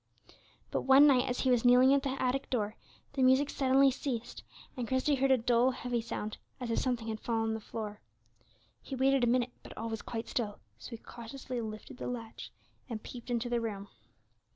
But one night, as he was kneeling at the attic door, the music suddenly ceased, and Christie heard a dull, heavy sound, as if something had fallen on the floor. He waited a minute, but all was quite still; so he cautiously lifted the latch, and peeped into the room.